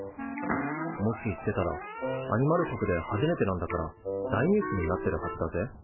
もし行ってたらアニマル国で初めてなんだから大ニュースになってるはずだぜ。